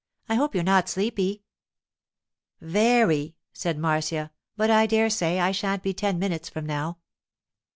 'I hope you're not sleepy.' 'Very,' said Marcia; 'but I dare say I shan't be ten minutes from now.